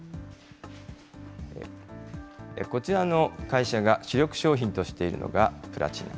こちらの会社が主力商品としているのが、プラチナ。